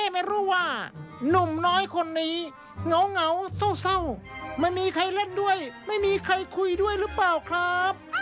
ไม่มีใครเล่นด้วยไม่มีใครคุยด้วยหรือเปล่าครับ